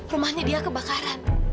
rumahnya dia kebakaran